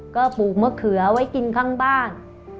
ก็ปลูกมะเขือไว้กินข้างบ้าน